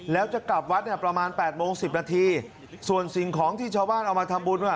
แล้วจะกลับวัดประมาณ๘โมง๑๐นาทีส่วนสิ่งของที่เจ้าวาดเอามาทำบุญ